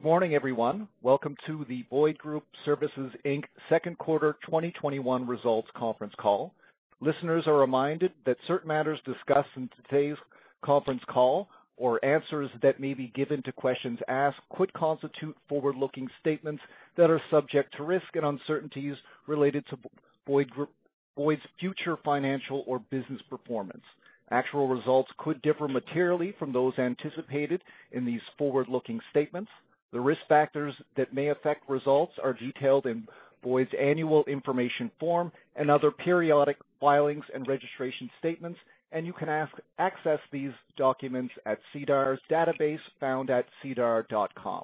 Morning, everyone. Welcome to the Boyd Group Services Inc. Second Quarter 2021 Results Conference Call. Listeners are reminded that certain matters discussed in today's conference call or answers that may be given to questions asked could constitute forward-looking statements that are subject to risks and uncertainties related to Boyd's future financial or business performance. Actual results could differ materially from those anticipated in these forward-looking statements. The risk factors that may affect results are detailed in Boyd's annual information form and other periodic filings and registration statements, and you can access these documents at SEDAR's database found at sedar.com.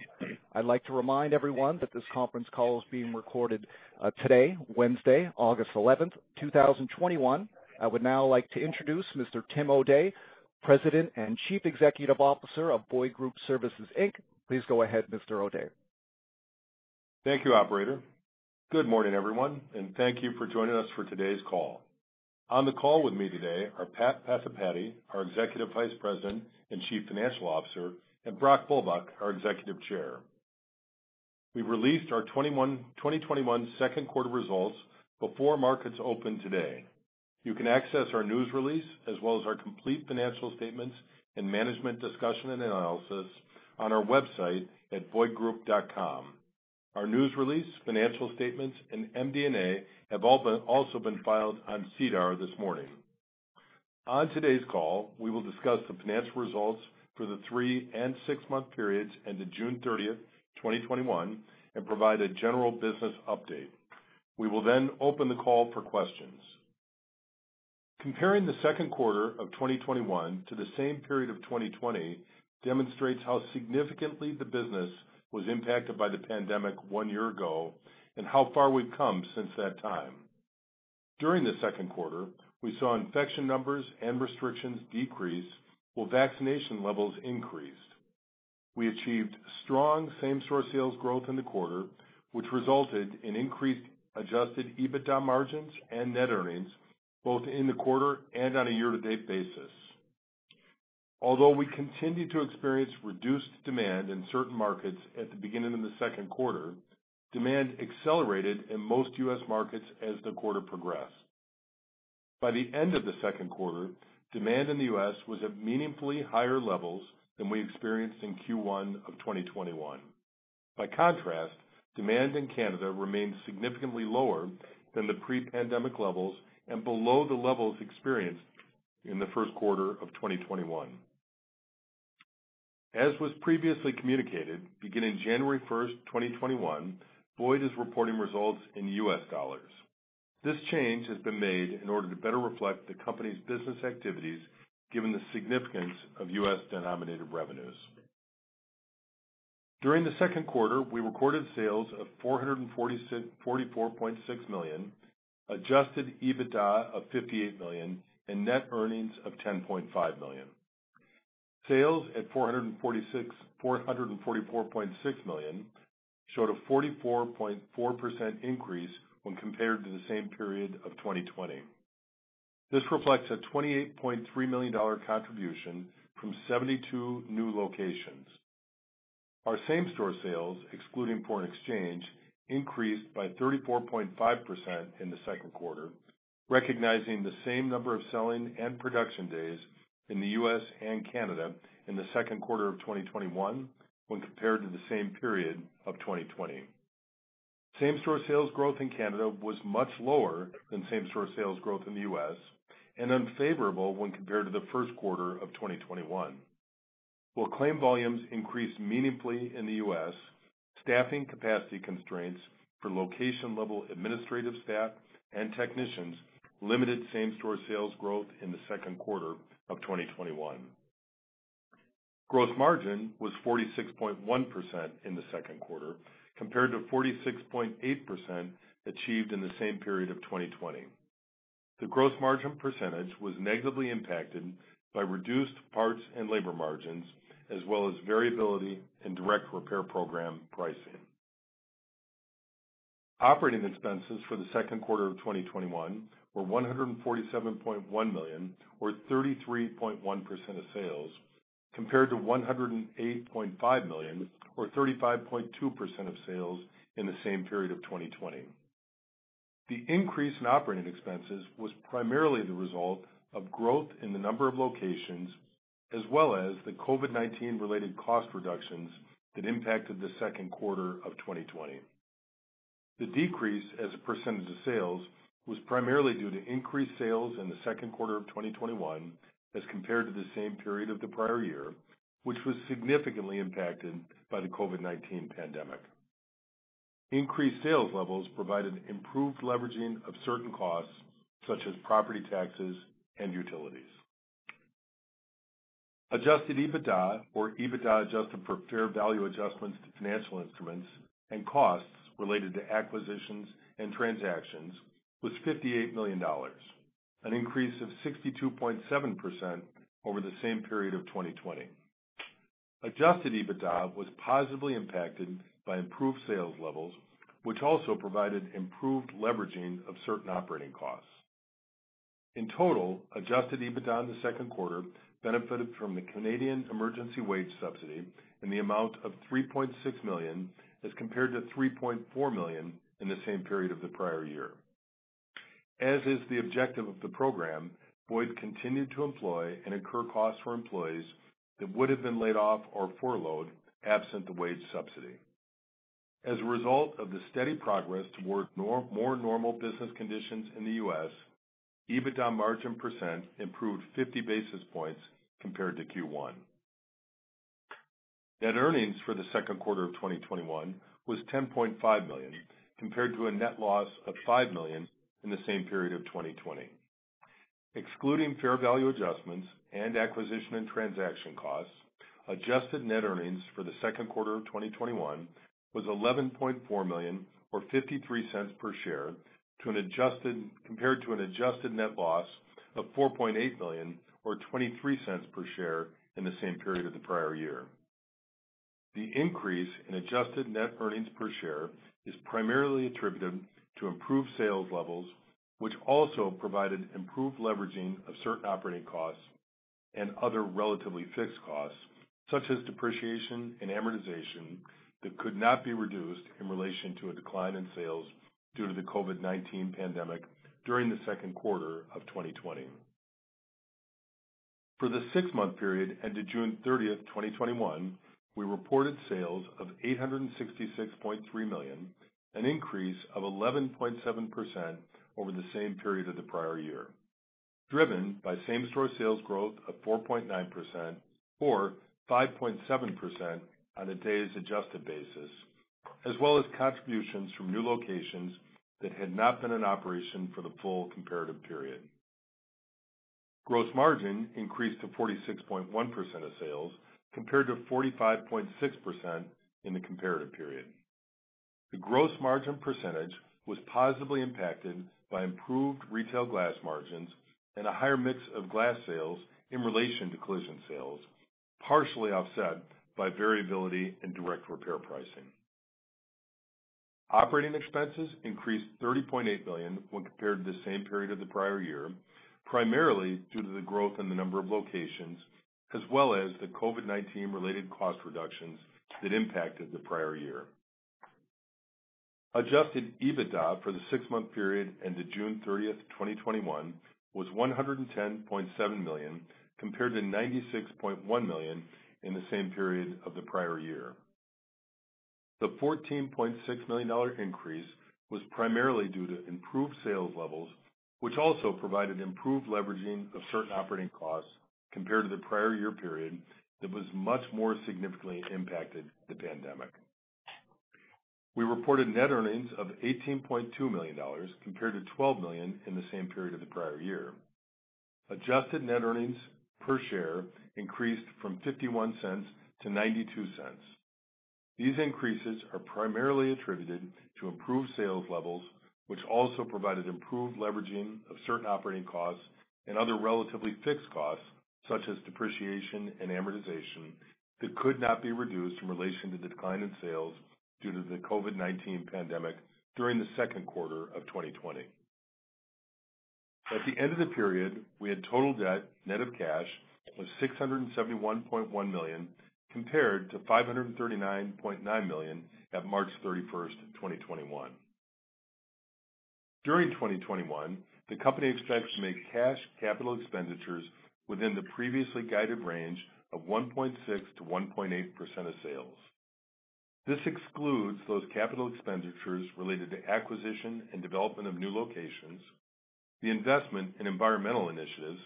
I'd like to remind everyone that this conference call is being recorded today, Wednesday, August 11th, 2021. I would now like to introduce Mr. Tim O'Day, President and Chief Executive Officer of Boyd Group Services, Inc. Please go ahead, Mr. O'Day. Thank you, operator. Good morning, everyone. Thank you for joining us for today's call. On the call with me today are Pat Pathipati, our Executive Vice President and Chief Financial Officer, and Brock Bulbuck, our Executive Chair. We released our 2021 second quarter results before markets opened today. You can access our news release, as well as our complete financial statements and management discussion and analysis on our website at boydgroup.com. Our news release, financial statements, and MD&A have also been filed on SEDAR this morning. On today's call, we will discuss the financial results for the three and six-month periods ended June 30th, 2021, and provide a general business update. We will open the call for questions. Comparing the second quarter of 2021 to the same period of 2020 demonstrates how significantly the business was impacted by the pandemic one year ago and how far we've come since that time. During the second quarter, we saw infection numbers and restrictions decrease while vaccination levels increased. We achieved strong same-store sales growth in the quarter, which resulted in increased adjusted EBITDA margins and net earnings both in the quarter and on a year-to-date basis. Although we continued to experience reduced demand in certain markets at the beginning of the second quarter, demand accelerated in most U.S. markets as the quarter progressed. By the end of the second quarter, demand in the U.S. was at meaningfully higher levels than we experienced in Q1 of 2021. By contrast, demand in Canada remained significantly lower than the pre-pandemic levels and below the levels experienced in the first quarter of 2021. As was previously communicated, beginning January 1st, 2021, Boyd is reporting results in U.S. dollars. This change has been made in order to better reflect the company's business activities given the significance of U.S. denominated revenues. During the second quarter, we recorded sales of $444.6 million, adjusted EBITDA of $58 million, and net earnings of $10.5 million. Sales at $444.6 million showed a 44.4% increase when compared to the same period of 2020. This reflects a $28.3 million contribution from 72 new locations. Our same-store sales, excluding foreign exchange, increased by 34.5% in the second quarter, recognizing the same number of selling and production days in the U.S. and Canada in the second quarter of 2021 when compared to the same period of 2020. Same-store sales growth in Canada was much lower than same-store sales growth in the U.S. and unfavorable when compared to the first quarter of 2021. While claim volumes increased meaningfully in the U.S., staffing capacity constraints for location level administrative staff and technicians limited same-store sales growth in the second quarter of 2021. Gross margin was 46.1% in the second quarter compared to 46.8% achieved in the same period of 2020. The gross margin percentage was negatively impacted by reduced parts and labor margins as well as variability in direct repair program pricing. Operating expenses for the second quarter of 2021 were $147.1 million, or 33.1% of sales, compared to $108.5 million or 35.2% of sales in the same period of 2020. The increase in operating expenses was primarily the result of growth in the number of locations as well as the COVID-19 related cost reductions that impacted the second quarter of 2020. The decrease as a percentage of sales was primarily due to increased sales in the second quarter of 2021 as compared to the same period of the prior year, which was significantly impacted by the COVID-19 pandemic. Increased sales levels provided improved leveraging of certain costs such as property taxes and utilities. Adjusted EBITDA or EBITDA adjusted for fair value adjustments to financial instruments and costs related to acquisitions and transactions was $58 million, an increase of 62.7% over the same period of 2020. Adjusted EBITDA was positively impacted by improved sales levels, which also provided improved leveraging of certain operating costs. In total, adjusted EBITDA in the second quarter benefited from the Canadian Emergency Wage Subsidy in the amount of $3.6 million, as compared to $3.4 million in the same period of the prior year. As is the objective of the program, Boyd continued to employ and incur costs for employees that would've been laid off or furloughed absent the Wage Subsidy. As a result of the steady progress toward more normal business conditions in the U.S., EBITDA margin percent improved 50 basis points compared to Q1. Net earnings for the second quarter of 2021 was $10.5 million, compared to a net loss of $5 million in the same period of 2020. Excluding fair value adjustments and acquisition and transaction costs, adjusted net earnings for the second quarter of 2021 was $11.4 million or $0.53 per share compared to an adjusted net loss of $4.8 million or $0.23 per share in the same period of the prior year. The increase in adjusted net earnings per share is primarily attributed to improved sales levels, which also provided improved leveraging of certain operating costs and other relatively fixed costs, such as depreciation and amortization that could not be reduced in relation to a decline in sales due to the COVID-19 pandemic during the second quarter of 2020. For the six-month period ended June 30th, 2021, we reported sales of $866.3 million, an increase of 11.7% over the same period of the prior year, driven by same-store sales growth of 4.9% or 5.7% on a days adjusted basis, as well as contributions from new locations that had not been in operation for the full comparative period. Gross margin increased to 46.1% of sales, compared to 45.6% in the comparative period. The gross margin percentage was positively impacted by improved retail glass margins and a higher mix of glass sales in relation to collision sales, partially offset by variability in direct repair pricing. Operating expenses increased to $30.8 million when compared to the same period of the prior year, primarily due to the growth in the number of locations, as well as the COVID-19 related cost reductions that impacted the prior year. Adjusted EBITDA for the six-month period ended June 30th, 2021 was $110.7 million compared to $96.1 million in the same period of the prior year. The $14.6 million increase was primarily due to improved sales levels, which also provided improved leveraging of certain operating costs compared to the prior year period that was much more significantly impacted the pandemic. We reported net earnings of $18.2 million compared to $12 million in the same period of the prior year. Adjusted net earnings per share increased from $0.51-$0.92. These increases are primarily attributed to improved sales levels, which also provided improved leveraging of certain operating costs and other relatively fixed costs, such as depreciation and amortization, that could not be reduced in relation to the decline in sales due to the COVID-19 pandemic during the second quarter of 2020. At the end of the period, we had total debt net of cash was $671.1 million compared to $539.9 million at March 31st, 2021. During 2021, the company expects to make cash capital expenditures within the previously guided range of 1.6%-1.8% of sales. This excludes those capital expenditures related to acquisition and development of new locations, the investment in environmental initiatives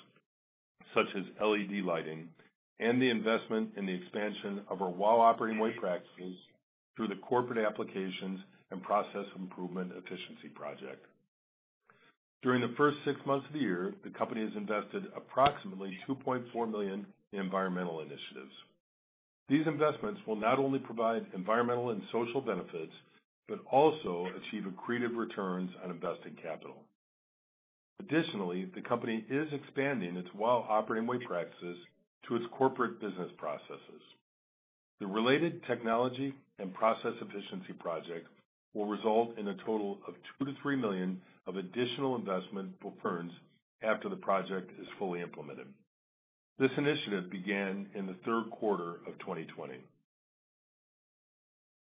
such as LED lighting, and the investment in the expansion of our WOW Operating Way practices through the corporate applications and process improvement efficiency project. During the first six months of the year, the company has invested approximately $2.4 million in environmental initiatives. These investments will not only provide environmental and social benefits, but also achieve accretive returns on invested capital. Additionally, the company is expanding its WOW Operating Way practices to its corporate business processes. The related technology and process efficiency project will result in a total of $2 million-$3 million of additional investment returns after the project is fully implemented. This initiative began in the third quarter of 2020.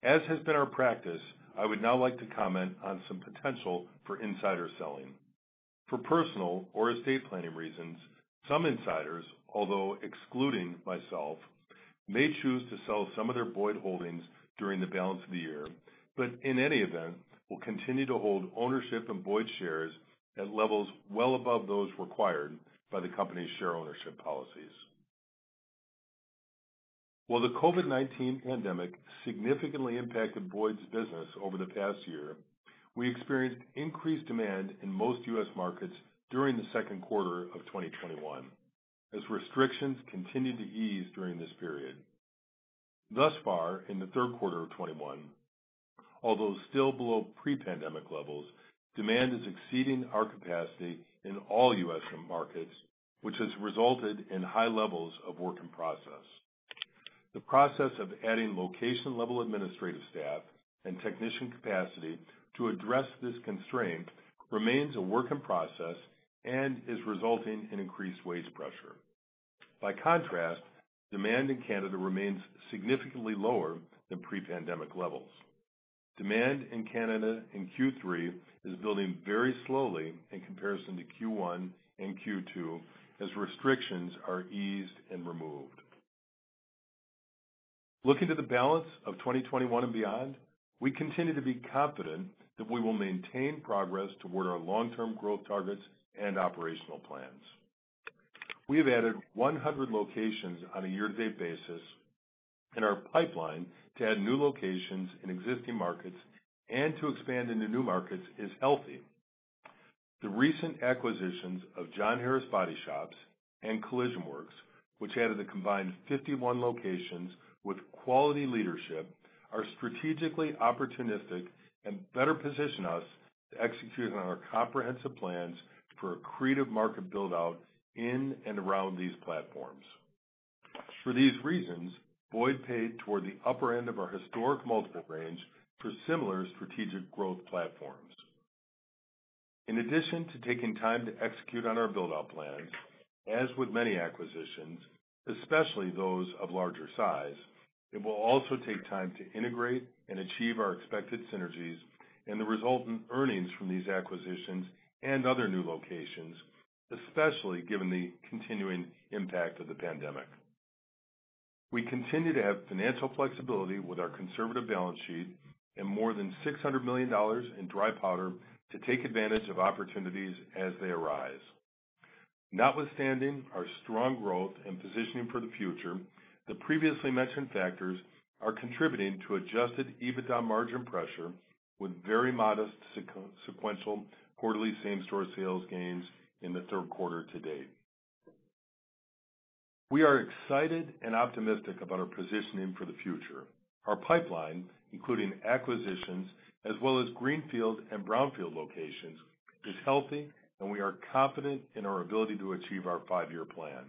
As has been our practice, I would now like to comment on some potential for insider selling. For personal or estate planning reasons, some insiders, although excluding myself, may choose to sell some of their Boyd holdings during the balance of the year, but in any event, will continue to hold ownership and Boyd shares at levels well above those required by the company's share ownership policies. While the COVID-19 pandemic significantly impacted Boyd's business over the past year, we experienced increased demand in most U.S. markets during the second quarter of 2021, as restrictions continued to ease during this period. Thus far in the third quarter of 2021, although still below pre-pandemic levels, demand is exceeding our capacity in all U.S. markets, which has resulted in high levels of work in process. The process of adding location-level administrative staff and technician capacity to address this constraint remains a work in process and is resulting in increased wage pressure. By contrast, demand in Canada remains significantly lower than pre-pandemic levels. Demand in Canada in Q3 is building very slowly in comparison to Q1 and Q2 as restrictions are eased and removed. Looking to the balance of 2021 and beyond, we continue to be confident that we will maintain progress toward our long-term growth targets and operational plans. We have added 100 locations on a year-to-date basis. Our pipeline to add new locations in existing markets and to expand into new markets is healthy. The recent acquisitions of John Harris Body Shops and Collision Works, which added a combined 51 locations with quality leadership, are strategically opportunistic and better position us to execute on our comprehensive plans for accretive market build-out in and around these platforms. For these reasons, Boyd paid toward the upper end of our historic multiple range for similar strategic growth platforms. In addition to taking time to execute on our build-out plans, as with many acquisitions, especially those of larger size, it will also take time to integrate and achieve our expected synergies and the resultant earnings from these acquisitions and other new locations, especially given the continuing impact of the pandemic. We continue to have financial flexibility with our conservative balance sheet and more than $600 million in dry powder to take advantage of opportunities as they arise. Notwithstanding our strong growth and positioning for the future, the previously mentioned factors are contributing to adjusted EBITDA margin pressure with very modest sequential quarterly same-store sales gains in the third quarter to date. We are excited and optimistic about our positioning for the future. Our pipeline, including acquisitions as well as greenfield and brownfield locations, is healthy, and we are confident in our ability to achieve our five-year plan.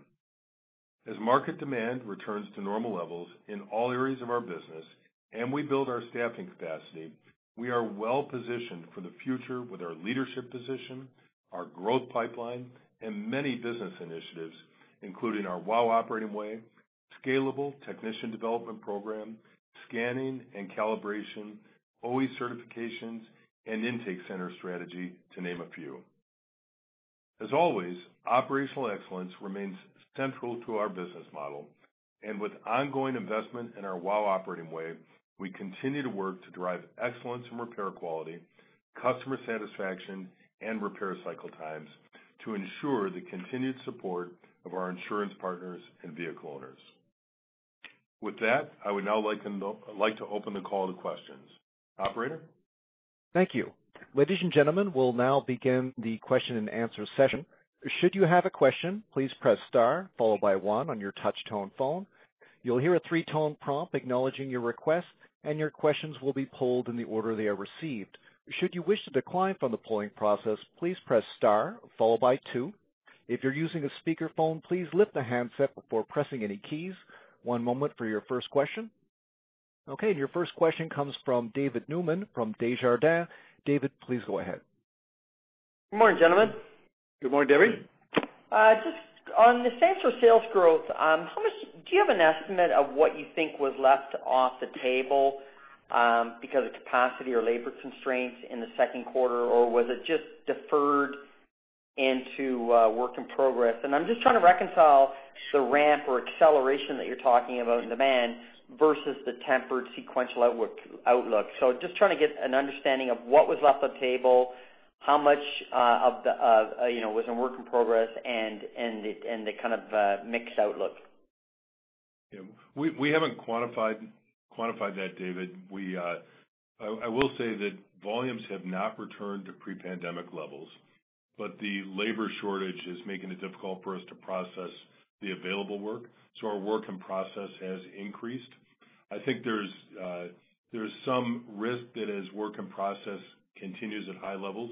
As market demand returns to normal levels in all areas of our business and we build our staffing capacity, we are well-positioned for the future with our leadership position, our growth pipeline, and many business initiatives, including our WOW Operating Way, scalable technician development program, scanning and calibration, OE certifications, and intake center strategy, to name a few. As always, operational excellence remains central to our business model. With ongoing investment in our WOW Operating Way, we continue to work to drive excellence in repair quality, customer satisfaction, and repair cycle times to ensure the continued support of our insurance partners and vehicle owners. With that, I would now like to open the call to questions. Operator? Thank you. Ladies and gentlemen, we'll now begin the question-and-answer session. Should you have a question, please press star followed by one on your touch-tone phone. You'll hear a three-tone prompt acknowledging your request, and your questions will be polled in the order they are received. Should you wish to decline from the polling process, please press star followed by two. If you're using a speakerphone, please lift the handset before pressing any keys. One moment for your first question. Okay, and your first question comes from David Newman from Desjardins. David, please go ahead. Good morning, gentlemen. Good morning, David. Just on the same-store sales growth, do you have an estimate of what you think was left off the table because of capacity or labor constraints in the second quarter? Was it just deferred into work in progress? I'm just trying to reconcile the ramp or acceleration that you're talking about in demand versus the tempered sequential outlook. Just trying to get an understanding of what was left on the table, how much was in work in progress, and the kind of mixed outlook. We haven't quantified that, David. I will say that volumes have not returned to pre-pandemic levels. The labor shortage is making it difficult for us to process the available work. Our work in process has increased. I think there's some risk that as work in process continues at high levels,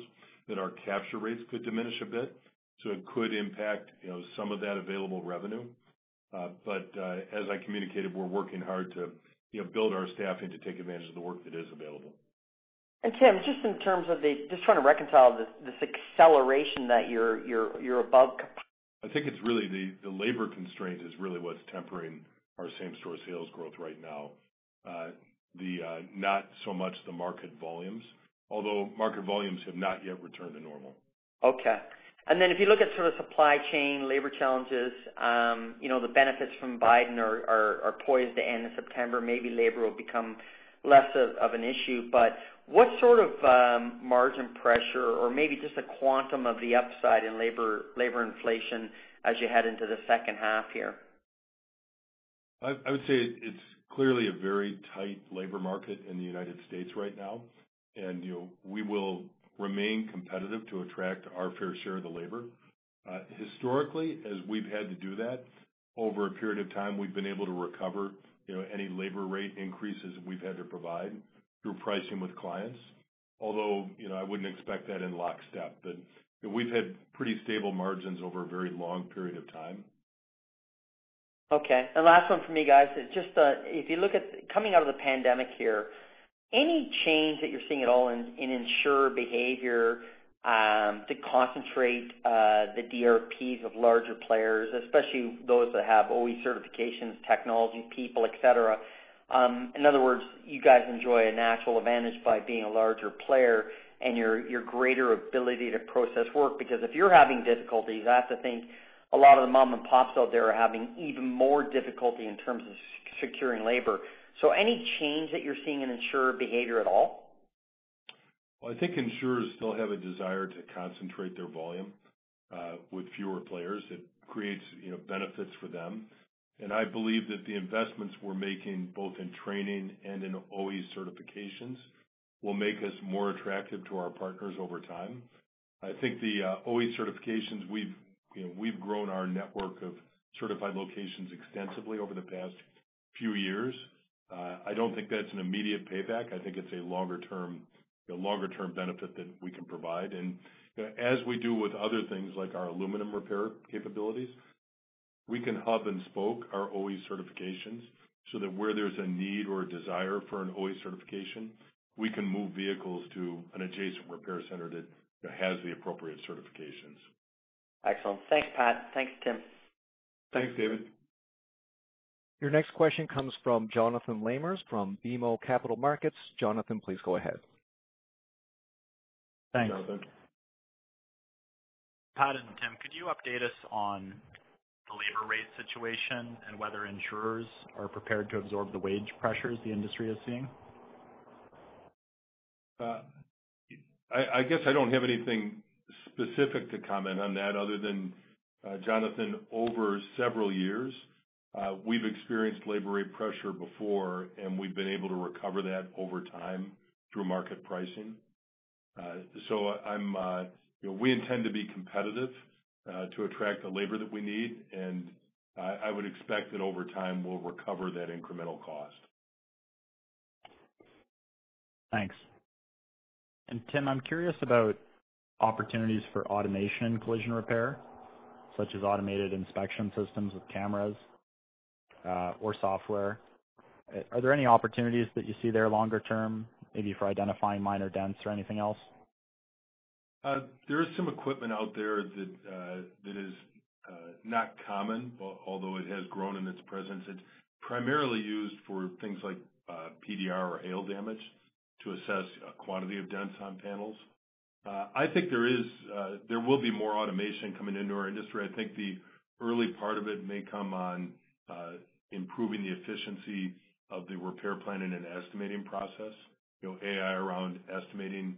that our capture rates could diminish a bit. It could impact some of that available revenue. As I communicated, we're working hard to build our staffing to take advantage of the work that is available. And Tim, just trying to reconcile this acceleration that you're above capacity? I think the labor constraint is really what's tempering our same-store sales growth right now. Not so much the market volumes. Although market volumes have not yet returned to normal. Okay. If you look at sort of supply chain labor challenges, the benefits from Biden are poised to end in September. Maybe labor will become less of an issue. What sort of margin pressure or maybe just a quantum of the upside in labor inflation as you head into the second half here? I would say it's clearly a very tight labor market in the United States right now. We will remain competitive to attract our fair share of the labor. Historically, as we've had to do that, over a period of time, we've been able to recover any labor rate increases we've had to provide through pricing with clients. I wouldn't expect that in lockstep. We've had pretty stable margins over a very long period of time. Okay. Last one from me, guys, coming out of the pandemic here, any change that you're seeing at all in insurer behavior to concentrate the DRPs of larger players, especially those that have OE certifications, technology, people, et cetera. In other words, you guys enjoy a natural advantage by being a larger player and your greater ability to process work. If you're having difficulties, I have to think a lot of the mom and pops out there are having even more difficulty in terms of securing labor. Any change that you're seeing in insurer behavior at all? Well, I think insurers still have a desire to concentrate their volume with fewer players. It creates benefits for them. I believe that the investments we're making both in training and in OE certifications will make us more attractive to our partners over time. I think the OE certifications, we've grown our network of certified locations extensively over the past few years. I don't think that's an immediate payback. I think it's a longer-term benefit that we can provide. As we do with other things like our aluminum repair capabilities, we can hub and spoke our OE certifications so that where there's a need or a desire for an OE certification, we can move vehicles to an adjacent repair center that has the appropriate certifications. Excellent. Thanks, Pat. Thanks, Tim. Thanks, David. Your next question comes from Jonathan Lamers from BMO Capital Markets. Jonathan, please go ahead. Thanks. Jonathan. Pat and Tim, could you update us on the labor rate situation and whether insurers are prepared to absorb the wage pressures the industry is seeing? I guess I don't have anything specific to comment on that other than, Jonathan, over several years, we've experienced labor rate pressure before, and we've been able to recover that over time through market pricing. We intend to be competitive to attract the labor that we need, and I would expect that over time we'll recover that incremental cost. Thanks. Tim, I'm curious about opportunities for automation in collision repair, such as automated inspection systems with cameras or software. Are there any opportunities that you see there longer term, maybe for identifying minor dents or anything else? There is some equipment out there that is not common, although it has grown in its presence. It's primarily used for things like PDR or hail damage to assess quantity of dents on panels. I think there will be more automation coming into our industry. I think the early part of it may come on improving the efficiency of the repair planning and estimating process. AI around estimating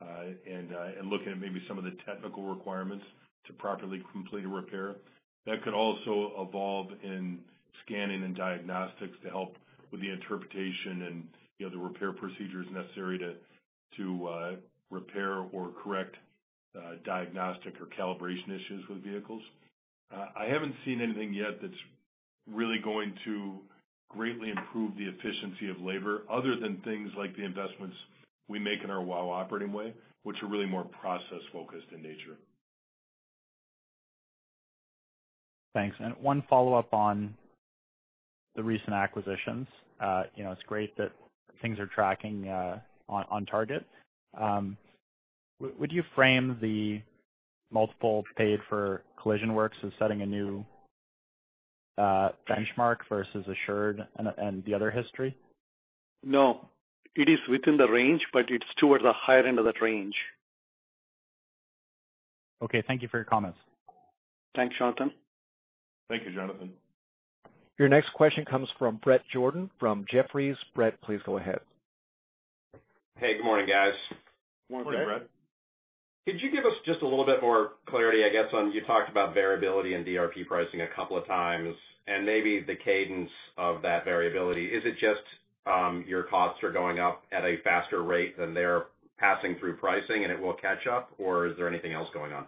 and looking at maybe some of the technical requirements to properly complete a repair. That could also evolve in scanning and diagnostics to help with the interpretation and the other repair procedures necessary to repair or correct diagnostic or calibration issues with vehicles. I haven't seen anything yet that's really going to greatly improve the efficiency of labor other than things like the investments we make in our WOW Operating Way, which are really more process-focused in nature. Thanks. One follow-up on the recent acquisitions. It's great that things are tracking on target. Would you frame the multiple paid for Collision Works as setting a new benchmark versus Assured and the other history? No. It is within the range, but it's towards the higher end of that range. Okay, thank you for your comments. Thanks, Jonathan. Thank you, Jonathan. Your next question comes from Bret Jordan from Jefferies. Brett, please go ahead. Hey, good morning, guys. Morning, Bret. Morning. Could you give us just a little bit more clarity, I guess, on you talked about variability in DRP pricing a couple of times, and maybe the cadence of that variability. Is it just your costs are going up at a faster rate than they're passing through pricing and it will catch up, or is there anything else going on?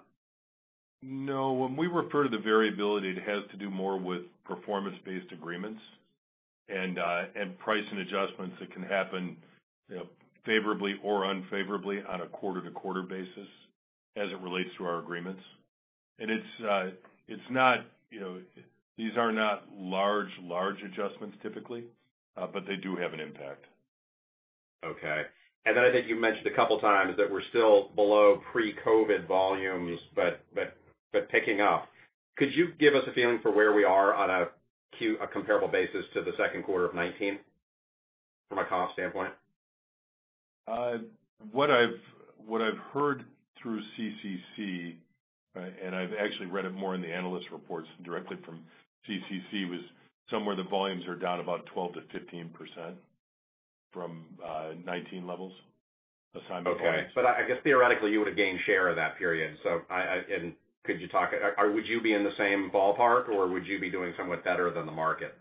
No. When we refer to the variability, it has to do more with performance-based agreements and pricing adjustments that can happen favorably or unfavorably on a quarter-to-quarter basis as it relates to our agreements. These are not large adjustments typically, but they do have an impact. Okay. I think you mentioned a couple of times that we are still below pre-COVID volumes, but picking up. Could you give us a feeling for where we are on a comparable basis to the second quarter of 2019 from a comp standpoint? What I've heard through CCC, and I've actually read it more in the analyst reports directly from CCC, was somewhere the volumes are down about 12%-15% from 2019 levels, assigned volumes. Okay. I guess theoretically, you would have gained share of that period. Would you be in the same ballpark, or would you be doing somewhat better than the market?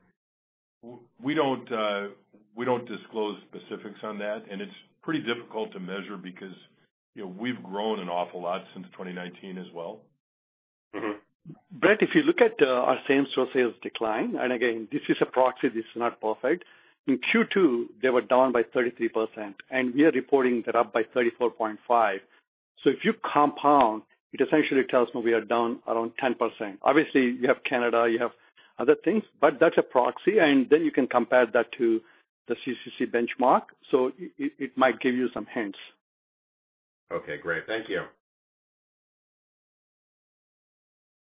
We don't disclose specifics on that, and it's pretty difficult to measure because we've grown an awful lot since 2019 as well. Bret, if you look at our same-store sales decline, and again, this is a proxy, this is not perfect. In Q2, they were down by 33%, and we are reporting they're up by 34.5%. If you compound, it essentially tells me we are down around 10%. Obviously, you have Canada, you have other things, but that's a proxy, and then you can compare that to the CCC benchmark. It might give you some hints. Okay, great. Thank you.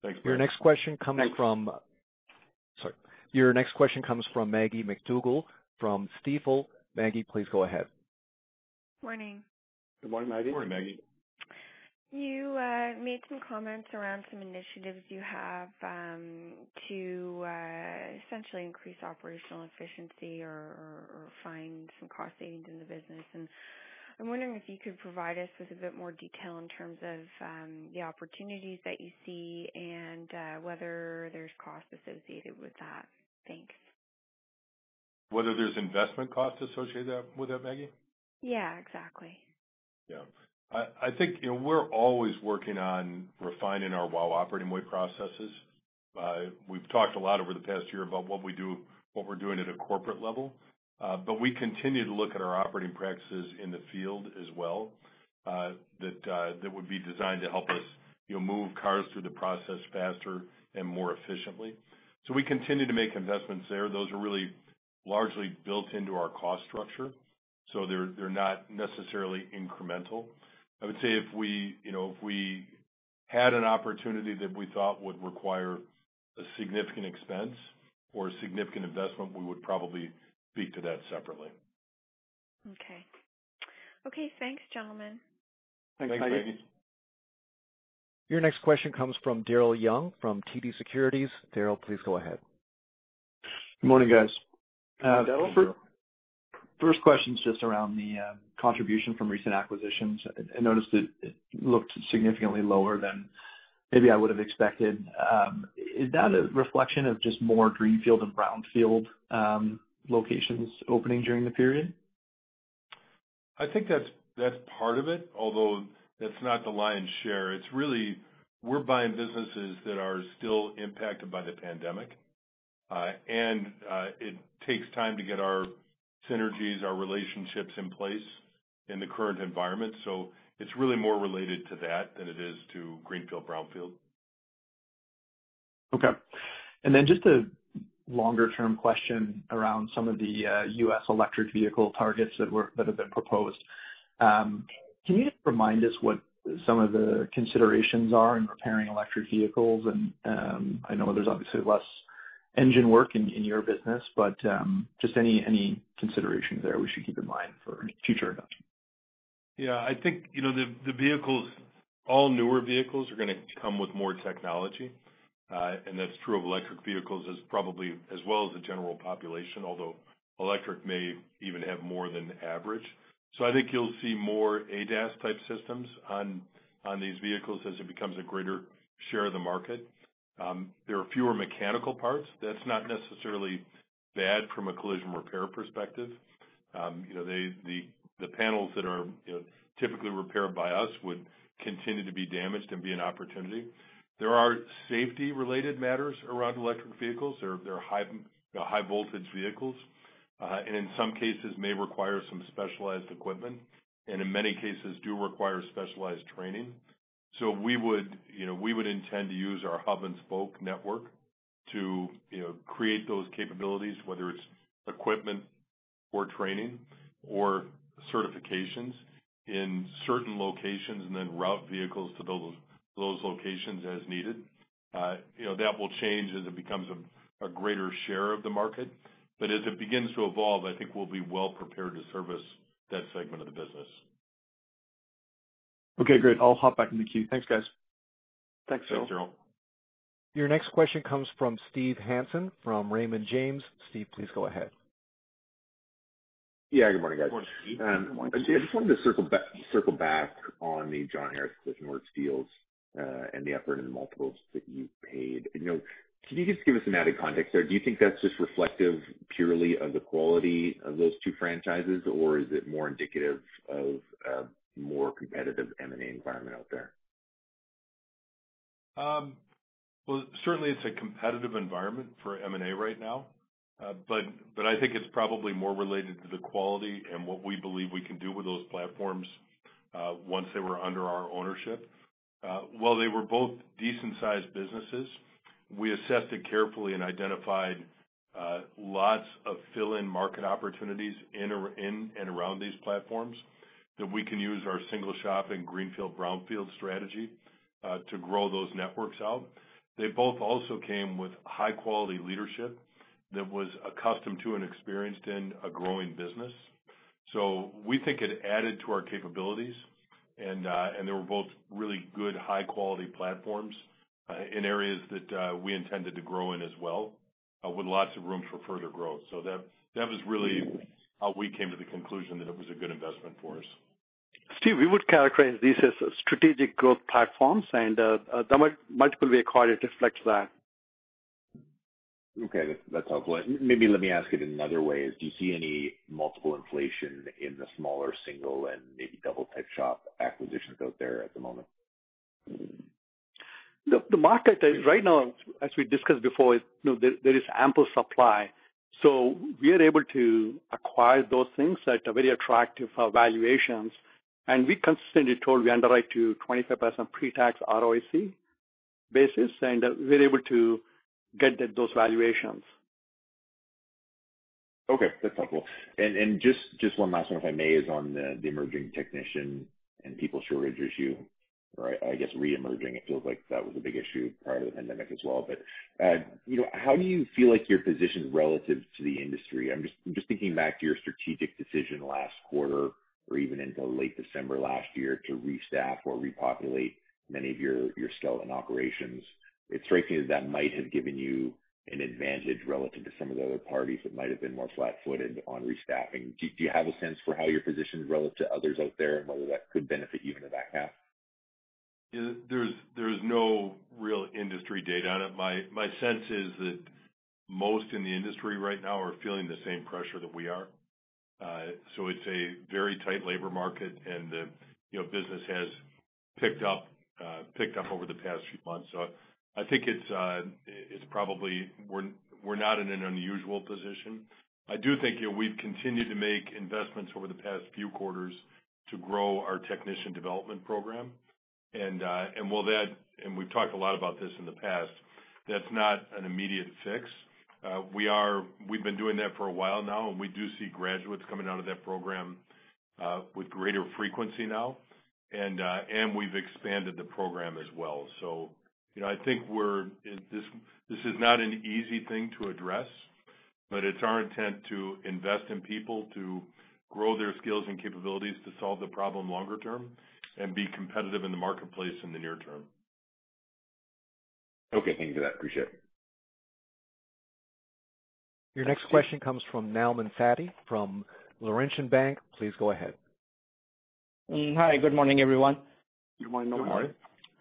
Thanks, Bret. Your next question coming from, sorry. Your next question comes from Maggie MacDougall from Stifel. Maggie, please go ahead. Morning. Good morning, Maggie. Morning, Maggie. You made some comments around some initiatives you have to essentially increase operational efficiency or find some cost savings in the business. I'm wondering if you could provide us with a bit more detail in terms of the opportunities that you see and whether there's cost associated with that. Thanks. Whether there's investment cost associated with that, Maggie? Yeah, exactly. I think we're always working on refining our WOW Operating Way processes. We've talked a lot over the past year about what we're doing at a corporate level. We continue to look at our operating practices in the field as well, that would be designed to help us move cars through the process faster and more efficiently. We continue to make investments there. Those are really largely built into our cost structure, they're not necessarily incremental. I would say if we had an opportunity that we thought would require a significant expense or a significant investment, we would probably speak to that separately. Okay. Okay, thanks, gentlemen. Thanks, Maggie. Your next question comes from Daryl Young from TD Securities. Daryl, please go ahead. Good morning, guys. Good morning, Daryl. First question's just around the contribution from recent acquisitions. I noticed it looked significantly lower than maybe I would have expected. Is that a reflection of just more greenfield and brownfield locations opening during the period? I think that's part of it, although that's not the lion's share. It's really we're buying businesses that are still impacted by the pandemic. It takes time to get our synergies, our relationships in place in the current environment. It's really more related to that than it is to greenfield, brownfield. Okay. Just a longer-term question around some of the U.S. electric vehicle targets that have been proposed. Can you just remind us what some of the considerations are in repairing electric vehicles? I know there's obviously less engine work in your business, but just any consideration there we should keep in mind for future. Yeah. I think the vehicles, all newer vehicles are going to come with more technology. That's true of electric vehicles as well as the general population, although electric may even have more than average. I think you'll see more ADAS type systems on these vehicles as it becomes a greater share of the market. There are fewer mechanical parts. That's not necessarily bad from a collision repair perspective. The panels that are typically repaired by us would continue to be damaged and be an opportunity. There are safety-related matters around electric vehicles. They're high voltage vehicles. In some cases may require some specialized equipment, and in many cases do require specialized training. We would intend to use our hub-and-spoke network to create those capabilities, whether it's equipment or training or certifications in certain locations, and then route vehicles to those locations as needed. That will change as it becomes a greater share of the market. As it begins to evolve, I think we'll be well prepared to service that segment of the business. Okay, great. I'll hop back in the queue. Thanks, guys. Thanks, Daryl. Your next question comes from Steve Hansen from Raymond James. Steve, please go ahead. Yeah, good morning, guys. Morning, Steve. Morning. I just wanted to circle back on the John Harris Body Shops and Collision Works deals and the effort and the multiples that you've paid. Can you just give us some added context there? Do you think that's just reflective purely of the quality of those two franchises, or is it more indicative of a more competitive M&A environment out there? Well, certainly it's a competitive environment for M&A right now. I think it's probably more related to the quality and what we believe we can do with those platforms once they were under our ownership. While they were both decent-sized businesses, we assessed it carefully and identified lots of fill-in market opportunities in and around these platforms that we can use our single-shop and greenfield/brownfield strategy to grow those networks out. They both also came with high-quality leadership that was accustomed to and experienced in a growing business. We think it added to our capabilities, and they were both really good, high-quality platforms in areas that we intended to grow in as well, with lots of room for further growth. That was really how we came to the conclusion that it was a good investment for us. Steve, we would characterize these as strategic growth platforms, and the multiple we acquired reflects that. Okay, that's helpful. Maybe let me ask it another way. Do you see any multiple inflation in the smaller single and maybe double type shop acquisitions out there at the moment? The market right now, as we discussed before, there is ample supply. We are able to acquire those things at very attractive valuations. We consistently told we underwrite to 25% pre-tax ROIC basis, and we're able to get those valuations. Okay, that's helpful. Just one last one, if I may, is on the emerging technician and people shortage issue. Or I guess re-emerging. It feels like that was a big issue prior to the pandemic as well. How do you feel like you're positioned relative to the industry? I'm just thinking back to your strategic decision last quarter or even into late December last year to restaff or repopulate many of your skeleton operations. It strikes me that might have given you an advantage relative to some of the other parties that might have been more flat-footed on restaffing. Do you have a sense for how your positioned relative to others out there, and whether that could benefit you in the back half? There's no real industry data on it. My sense is that most in the industry right now are feeling the same pressure that we are. It's a very tight labor market, and the business has picked up over the past few months. I think we're not in an unusual position. I do think we've continued to make investments over the past few quarters to grow our technician development program, and we've talked a lot about this in the past. That's not an immediate fix. We've been doing that for a while now, and we do see graduates coming out of that program with greater frequency now. We've expanded the program as well. I think this is not an easy thing to address, but it's our intent to invest in people to grow their skills and capabilities to solve the problem longer term and be competitive in the marketplace in the near term. Okay. Thank you for that. Appreciate it. Your next question comes from Nauman Satti from Laurentian Bank. Please go ahead. Hi. Good morning, everyone. Good morning. Good morning.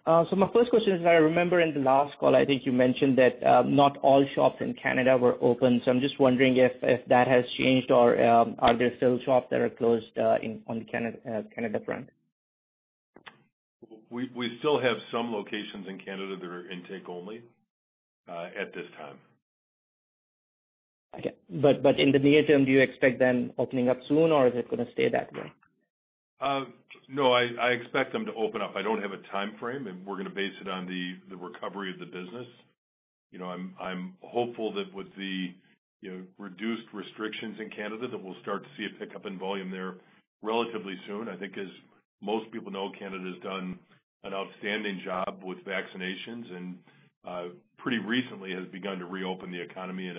My first question is, I remember in the last call, I think you mentioned that not all shops in Canada were open. I'm just wondering if that has changed or are there still shops that are closed on the Canada front? We still have some locations in Canada that are intake only at this time. Okay. In the near term, do you expect them opening up soon or is it going to stay that way? No, I expect them to open up. I don't have a timeframe, and we're going to base it on the recovery of the business. I'm hopeful that with the reduced restrictions in Canada, that we'll start to see a pickup in volume there relatively soon. I think as most people know, Canada has done an outstanding job with vaccinations and pretty recently has begun to reopen the economy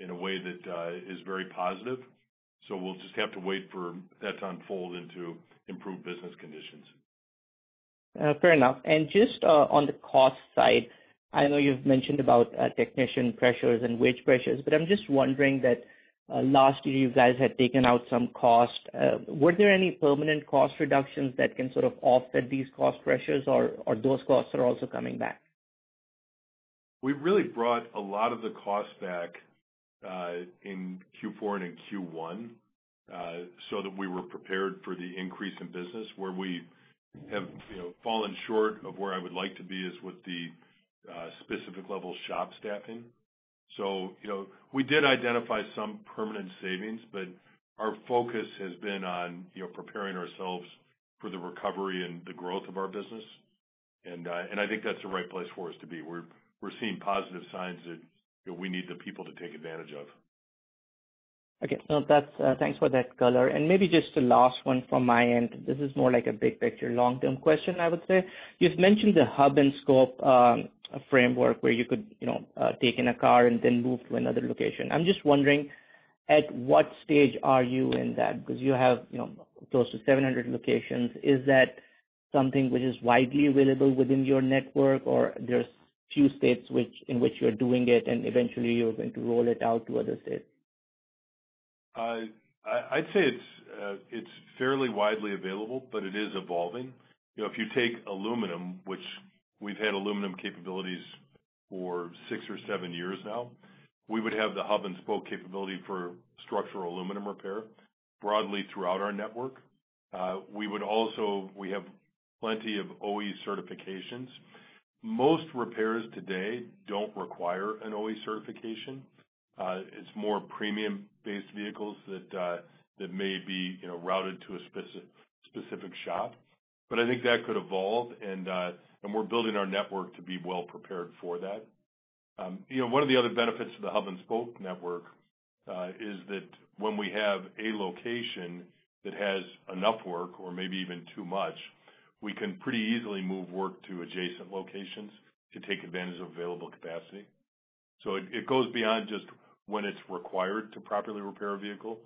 in a way that is very positive. We'll just have to wait for that to unfold into improved business conditions. Fair enough. Just on the cost side, I know you've mentioned about technician pressures and wage pressures, I'm just wondering that last year you guys had taken out some cost. Were there any permanent cost reductions that can sort of offset these cost pressures, or those costs are also coming back? We've really brought a lot of the cost back in Q4 and in Q1 so that we were prepared for the increase in business. Where we have fallen short of where I would like to be is with the specific level shop staffing. We did identify some permanent savings, but our focus has been on preparing ourselves for the recovery and the growth of our business, and I think that's the right place for us to be. We're seeing positive signs that we need the people to take advantage of. Okay. Thanks for that color. Maybe just a last one from my end. This is more like a big picture, long-term question, I would say. You've mentioned the hub and spoke framework where you could take in a car and then move to another location. I'm just wondering at what stage are you in that? You have close to 700 locations. Is that something which is widely available within your network or there's few states in which you're doing it and eventually you're going to roll it out to other states? I'd say it's fairly widely available, but it is evolving. If you take aluminum, which we've had aluminum capabilities for six or seven years now, we would have the hub and spoke capability for structural aluminum repair broadly throughout our network. We have plenty of OE certifications. Most repairs today don't require an OE certification. It's more premium-based vehicles that may be routed to a specific shop. I think that could evolve, and we're building our network to be well prepared for that. One of the other benefits of the hub and spoke network is that when we have a location that has enough work or maybe even too much, we can pretty easily move work to adjacent locations to take advantage of available capacity. It goes beyond just when it's required to properly repair a vehicle,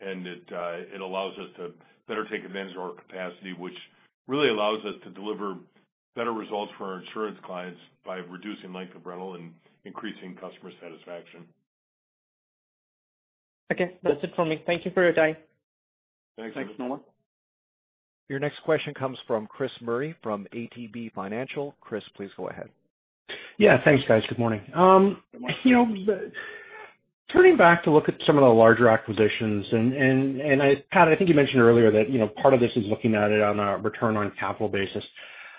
and it allows us to better take advantage of our capacity, which really allows us to deliver better results for our insurance clients by reducing length of rental and increasing customer satisfaction. Okay, that's it for me. Thank you for your time. Thanks. Thanks, Nauman. Your next question comes from Chris Murray from ATB Financial. Chris, please go ahead. Yeah, thanks guys. Good morning. Good morning. Turning back to look at some of the larger acquisitions, and Pat, I think you mentioned earlier that part of this is looking at it on a return on capital basis.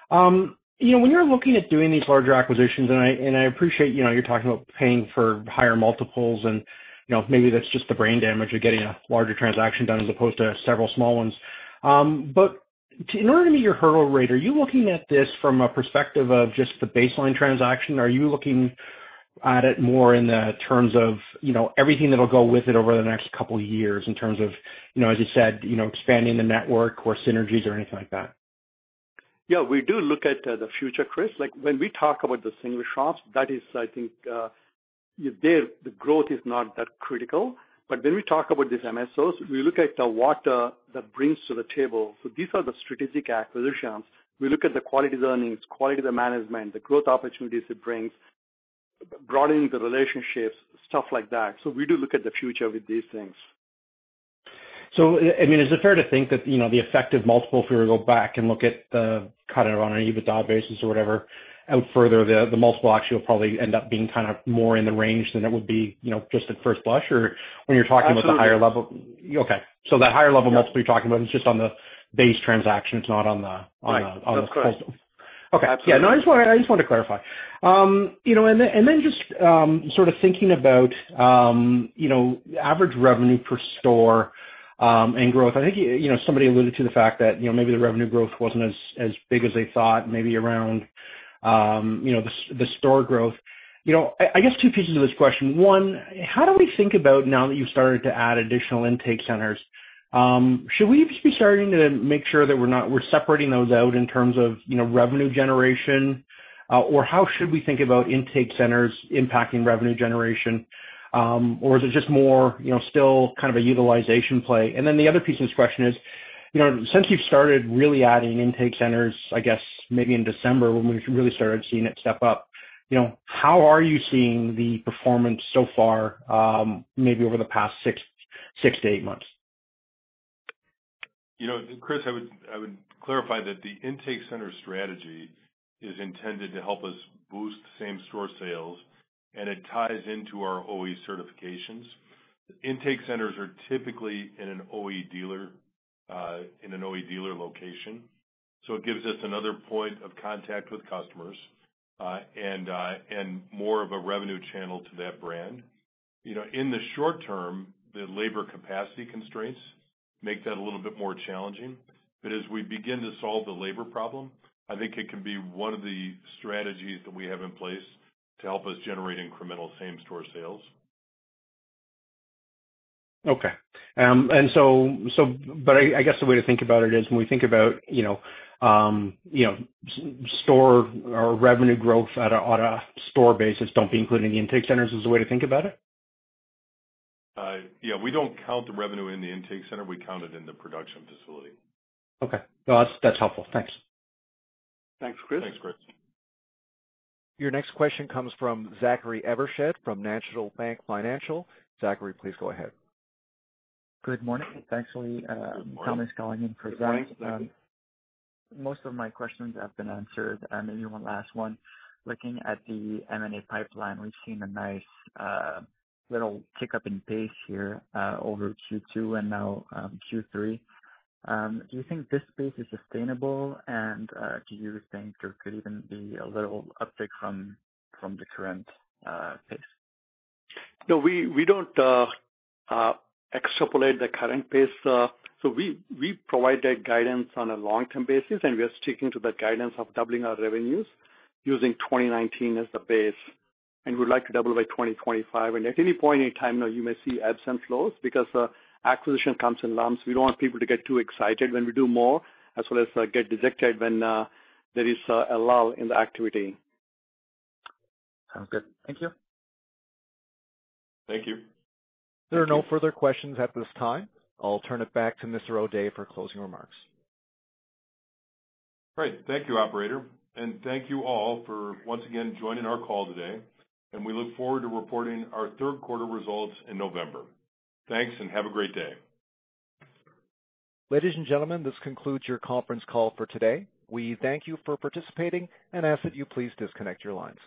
When you're looking at doing these larger acquisitions, and I appreciate you're talking about paying for higher multiples and maybe that's just the brain damage of getting a larger transaction done as opposed to several small ones. In order to meet your hurdle rate, are you looking at this from a perspective of just the baseline transaction? Are you looking at it more in the terms of everything that'll go with it over the next couple of years in terms of, as you said, expanding the network or synergies or anything like that? Yeah, we do look at the future, Chris. Like, when we talk about the single shops, that is, I think, there the growth is not that critical. When we talk about these MSOs, we look at what that brings to the table. These are the strategic acquisitions. We look at the quality of the earnings, quality of the management, the growth opportunities it brings, broadening the relationships, stuff like that. We do look at the future with these things. Is it fair to think that the effective multiple, if we were to go back and look at the cut on an EBITDA basis or whatever out further, the multiple actually will probably end up being more in the range than it would be just at first blush or when you're talking about? Absolutely. The higher level. Okay. That higher level multiple you're talking about is just on the base transaction, it's not on. Of course. Okay. Absolutely. Yeah. No, I just wanted to clarify. Just sort of thinking about average revenue per store and growth. I think somebody alluded to the fact that maybe the revenue growth wasn't as big as they thought, maybe around the store growth. I guess two pieces of this question. One, how do we think about now that you've started to add additional intake centers? Should we just be starting to make sure that we're separating those out in terms of revenue generation? Or how should we think about intake centers impacting revenue generation? Or is it just more still a utilization play? The other piece of this question is, since you've started really adding intake centers, I guess maybe in December when we really started seeing it step up, how are you seeing the performance so far maybe over the past six to eight months? Chris, I would clarify that the intake center strategy is intended to help us boost same-store sales, and it ties into our OE certifications. Intake centers are typically in an OE dealer location. It gives us another point of contact with customers, and more of a revenue channel to that brand. In the short term, the labor capacity constraints make that a little bit more challenging. As we begin to solve the labor problem, I think it can be one of the strategies that we have in place to help us generate incremental same-store sales. Okay. I guess the way to think about it is when we think about store or revenue growth on a store basis, don't be including the intake centers is the way to think about it? We don't count the revenue in the intake center. We count it in the production facility. Okay. No, that's helpful. Thanks. Thanks, Chris. Thanks, Chris. Your next question comes from Zachary Evershed from National Bank Financial. Zachary, please go ahead. Good morning. It's actually Thomas calling in for Zach. Good morning. Most of my questions have been answered. Maybe one last one. Looking at the M&A pipeline, we've seen a nice little pick up in pace here over Q2 and now Q3. Do you think this pace is sustainable and do you think there could even be a little uptick from the current pace? No, we don't extrapolate the current pace. We provide that guidance on a long-term basis, and we are sticking to that guidance of doubling our revenues using 2019 as the base. We'd like to double by 2025. At any point in time now you may see ebbs and flows because acquisition comes in lumps. We don't want people to get too excited when we do more, as well as get dejected when there is a lull in the activity. Sounds good. Thank you. Thank you. Thank you. There are no further questions at this time. I'll turn it back to Mr. O'Day for closing remarks. Great. Thank you, operator. Thank you all for once again joining our call today. We look forward to reporting our third quarter results in November. Thanks, and have a great day. Ladies and gentlemen, this concludes your conference call for today. We thank you for participating and ask that you please disconnect your lines.